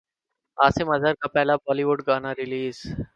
عاصم اظہر کا پہلا Bollywood گانا ریلیز